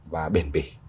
và bền bỉ